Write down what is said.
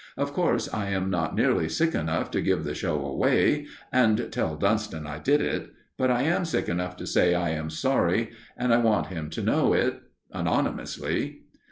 Of course, I am not nearly sick enough to give the show away and tell Dunston I did it, but I am sick enough to say I am sorry, and I want him to know it anonymously."